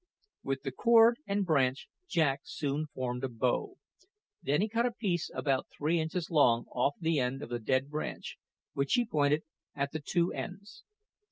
With the cord and branch Jack soon formed a bow. Then he cut a piece about three inches long off the end of a dead branch, which he pointed at the two ends.